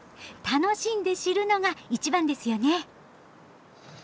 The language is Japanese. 楽しんで知るのが一番ですよね！